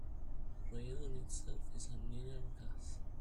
Radon itself is an inert gas.